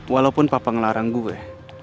walaupun papa ngelarang gue